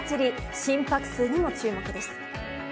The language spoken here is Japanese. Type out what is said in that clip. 心拍数にも注目です。